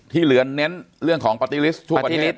ที่เหลือนเน้นเรื่องของประติฤทำการประติฤธรรม